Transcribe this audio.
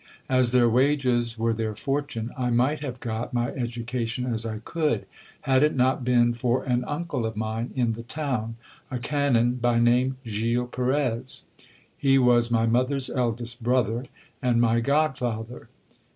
As their wages were their fortune, I might have got my education as I could, had it not been for an uncle of mine in the town, a canon, by name Gil Perez. He was my mother's eldest brother, and my god father.